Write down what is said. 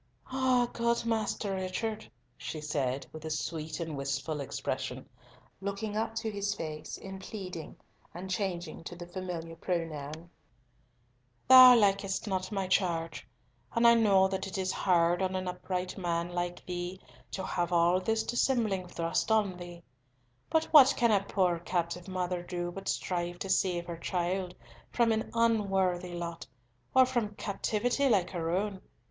"Ah, good Master Richard," she said, with a sweet and wistful expression, looking up to his face in pleading, and changing to the familiar pronoun, "thou likest not my charge, and I know that it is hard on an upright man like thee to have all this dissembling thrust on thee, but what can a poor captive mother do but strive to save her child from an unworthy lot, or from captivity like her own?